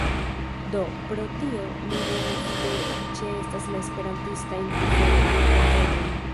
Do, pro tio mi ne ofte ĉeestas la Esperantistajn aferojn, kunvenojn